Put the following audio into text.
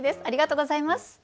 ありがとうございます。